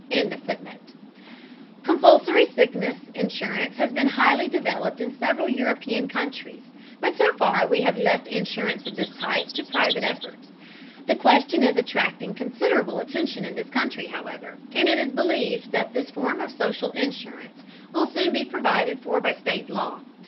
] Compulsory sickness insurance has been highly developed in several European countries, but so far we have left insurance of this type to private effort. The question is attracting considerable attention in this country, however, and it is believed that this form of social insurance will soon be provided for by state law.